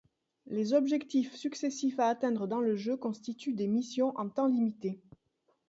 Les objectifs successifs à atteindre dans le jeu constituent des missions en temps limité.